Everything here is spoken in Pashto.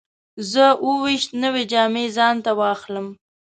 زه اووه ویشت نوې جامې ځان ته واخلم.